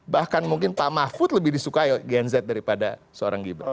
bahkan mungkin pak mahfud lebih disukai gen z daripada seorang gibran